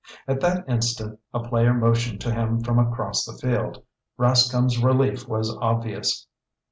At that instant a player motioned to him from across the field. Rascomb's relief was obvious.